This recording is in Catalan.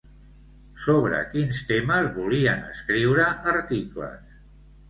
Sobre quins temes volien escriure articles?